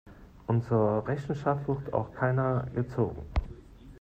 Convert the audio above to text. Und zur Rechenschaft wird auch keiner gezogen.